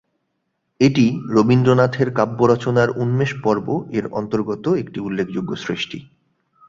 এটি রবীন্দ্রনাথের কাব্য রচনার "উন্মেষ পর্ব"-এর অন্তর্গত একটি উল্লেখযোগ্য সৃষ্টি।